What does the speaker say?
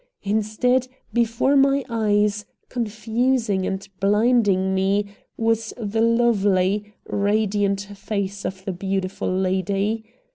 Instead, before my eyes, confusing and blinding me, was the lovely, radiant face of the beautiful lady.